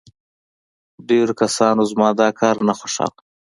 ډېرو کسانو زما دا کار نه خوښاوه